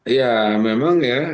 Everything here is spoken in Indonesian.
ya memang ya